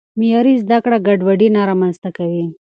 معیاري زده کړه ګډوډي نه رامنځته کوي.